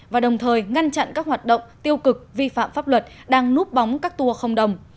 và đồng thời ngăn chặn các hoạt động tiêu cực vi phạm pháp luật đang núp bóng các tour không đồng